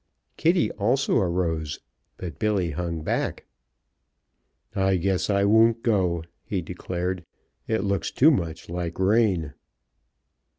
Kitty also arose, but Billy hung back. "I guess I won't go," he declared. "It looks too much like rain."